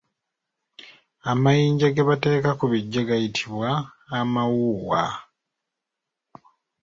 Amayinja ge bateeka ku biggya gayitibwa Amawuuwa.